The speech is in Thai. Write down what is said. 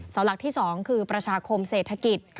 หลักที่๒คือประชาคมเศรษฐกิจ